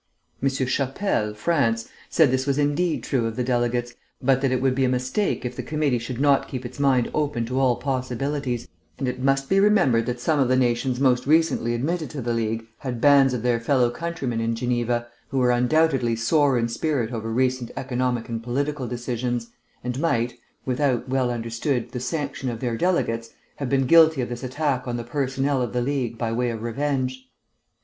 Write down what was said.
"M. Chapelle (France) said this was indeed true of the delegates, but that it would be a mistake if the committee should not keep its mind open to all possibilities, and it must be remembered that some of the nations most recently admitted to the League had bands of their fellow countrymen in Geneva, who were undoubtedly sore in spirit over recent economic and political decisions, and might (without, well understood, the sanction of their delegates) have been guilty of this attack on the personnel of the League by way of revenge.